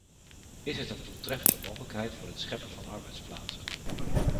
Is het een doeltreffende mogelijkheid voor het scheppen van arbeidsplaatsen?